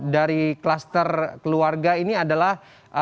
dari kluster keluarga ini adalah